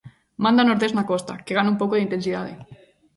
Manda o nordés na costa, que gana un pouco de intensidade.